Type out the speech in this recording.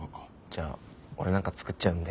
じゃあ俺なんか作っちゃうんで。